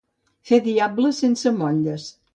Fer diables sense motlles.